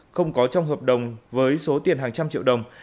không có trong hợp đồng với số tiền hàng trăm triệu đồng